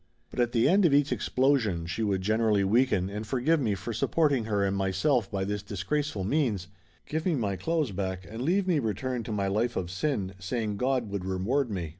But at the end of each explosion she would gen erally weaken and forgive me for supporting her and myself by this disgraceful means, give me my clothes back, and leave me return to my life of sin, saying God would reward me.